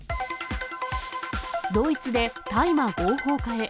ドイツで大麻合法化へ。